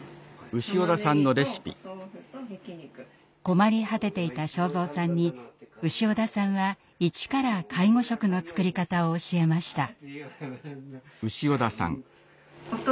困り果てていた昭蔵さんに潮田さんは一から介護食の作り方を教えました。